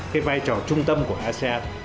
cái vai trò trung tâm của asean